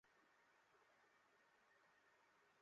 তোমার মুখটা খুব সুন্দর, মনীষ।